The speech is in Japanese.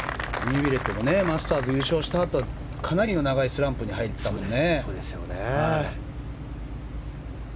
ウィレットもマスターズを優勝したあとはかなり長いスランプに入ったもんね。